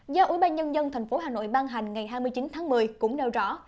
do ủy ban nhân dân thành phố hà nội ban hành ngày hai mươi chín tháng một mươi cũng đều rõ